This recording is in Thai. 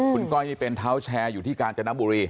คุณก้อยนี่เป็นเท้าแชร์อยู่ที่กาญจนบุรี